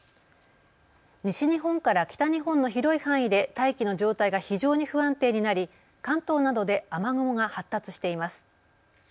西日本から北日本の広い範囲で大気の状態が非常に不安定になり関東などで雨雲が発達しています。